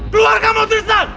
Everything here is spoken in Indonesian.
keluar kamu tristan